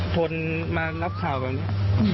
คนมารับข่าวแบบนี้